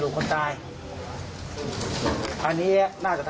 เมื่อยครับเมื่อยครับ